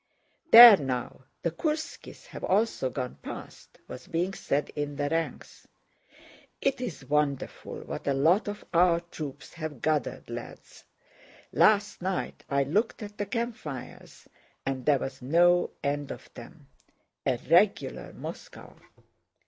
"There now, the Kúrskies have also gone past," was being said in the ranks. "It's wonderful what a lot of our troops have gathered, lads! Last night I looked at the campfires and there was no end of them. A regular Moscow!"